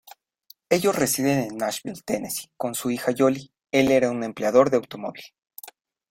Ellos residen en Nashville, Tennessee, con su hija Jolie.El era un empleador de automóvil.